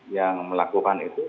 yang melakukan itu